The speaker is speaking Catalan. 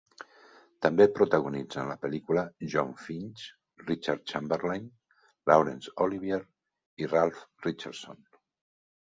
També protagonitzen la pel·lícula Jon Finch, Richard Chamberlain, Laurence Olivier i Ralph Richardson.